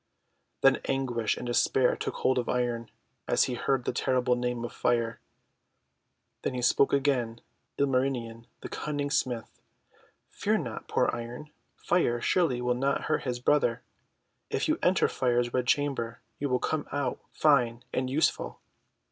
Then anguish and despair took hold of Iron as he heard the terrible name of Fire. Then spoke again Ilmarinen the Cunning Smith :— "Fear not, poor Iron. Fire surely will not hurt his brother. If you enter Fire's red chamber you shall come out fine and useful."